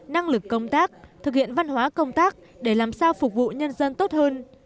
năng lực công tác thực hiện văn hóa công tác để làm sao phục vụ nhân dân tốt hơn